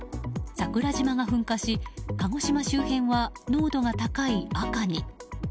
桜島が噴火し鹿児島周辺は濃度が高い赤に。